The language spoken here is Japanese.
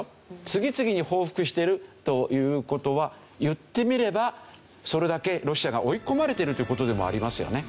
次々に報復しているという事は言ってみればそれだけロシアが追い込まれてるという事でもありますよね。